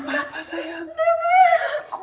jangan sentuh aku